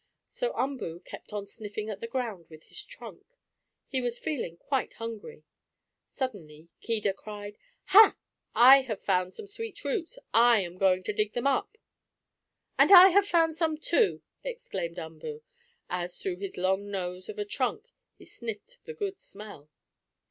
So Umboo kept on sniffing at the ground with his trunk. He was feeling quite hungry. Suddenly Keedah cried: "Ha! I have found some sweet roots! I am going to dig them up!" "And I have found some, too!" exclaimed Umboo, as through his long nose of a trunk he sniffed the good smell.